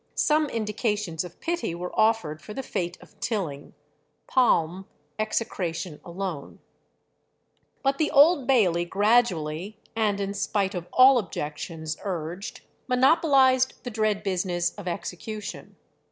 Some indications of pity were offered for the fate of Tilling; Palm, execration alone." But the Old Bailey gradually, and in spite of all objections urged, monopolized the dread business of execution.